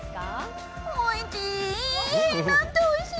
おいしい！